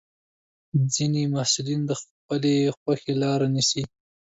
ځینې محصلین د خپلې خوښې لاره نیسي.